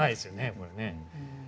これね。